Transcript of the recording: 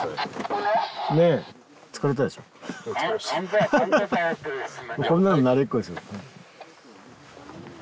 こんなの慣れっこですよ。